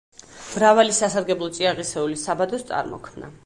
მრავალი სასარგებლო წიაღისეულის საბადოს წარმოქმნა.